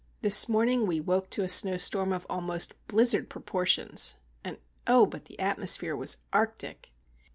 This morning we woke to a snowstorm of almost blizzard proportions. And, oh, but the atmosphere was arctic!